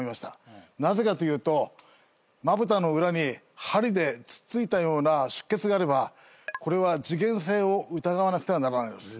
なぜかというとまぶたの裏に針で突っついたような出血があればこれは事件性を疑わなくてはならないのです。